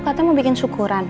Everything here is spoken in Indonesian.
katanya mau bikin syukuran